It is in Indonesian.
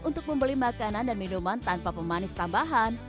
untuk membeli makanan dan minuman tanpa pemanis tambahan